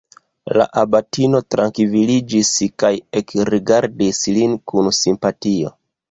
La abatino trankviliĝis kaj ekrigardis lin kun simpatio.